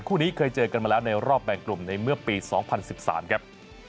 คู่นี้เคยเจอกันมาแล้วในรอบแบ่งกลุ่มในเมื่อปี๒๐๑๓ครับ